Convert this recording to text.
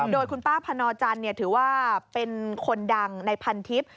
โดยคุณป้าพนจันทร์ถือว่าเป็นคนดังในพันทิพย์